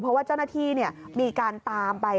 เพราะว่าเจ้าหน้าที่มีการตามไป